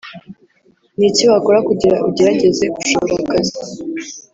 Ni iki wakora kugira ugerageze gushobora akazi